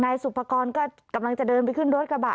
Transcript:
หากนายสุปกรณ์ก็กำลังจะเดินไปขึ้นรถกระบะ